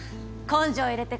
「根性入れて」って。